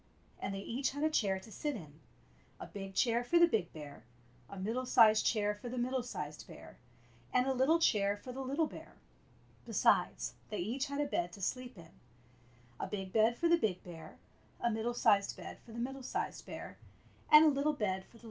And they each had a chair to sit in — a big chair for the big bear, a middle sized chair for the middle sized bear, and a little chair for the little bear. Besides, they each had a bed to sleep in — a big bed for the big bear, a middle sized bed for the middle sized bear, and a little bed for the little bear.